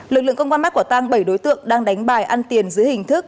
lực lượng công an bắt quả tang bảy đối tượng đang đánh bài ăn tiền dưới hình thức